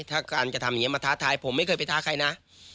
ถ้าการกระทำอย่างนี้มาท้าทายผมไม่เคยไปท้าใครนะ